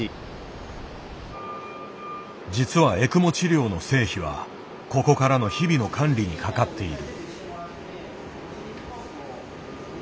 実はエクモ治療の成否はここからの日々の管理にかかっている。